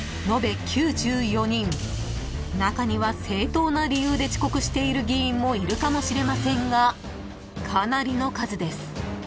［中には正当な理由で遅刻している議員もいるかもしれませんがかなりの数です］